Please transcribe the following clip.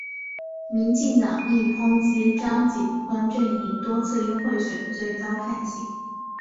民进党亦抨击张锦昆阵营多次因贿选罪遭判刑。